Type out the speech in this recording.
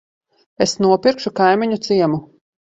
Es nopirkšu kaimiņu ciemu.